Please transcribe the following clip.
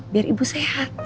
biar ibu sehat